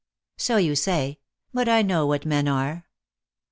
"So you say; but I know what men are."